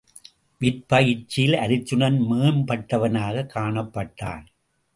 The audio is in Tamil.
விற்பயிற்சியில் அருச்சுனன் மேம்பட்டவனாகக் காணப்பட்டான்.